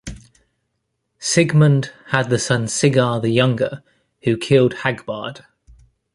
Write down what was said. Sigmund had the son Sigar the younger, who killed Hagbard.